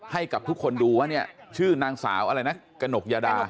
ให้กับทุกคนดูว่าเนี่ยชื่อนางสาวอะไรนะกระหนกยาดา